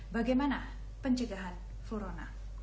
bagaimana pencegahan flurona